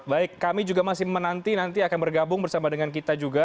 baik kami juga masih menanti nanti akan bergabung bersama dengan kita juga